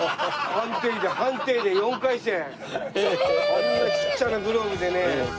こんなちっちゃなグローブでね。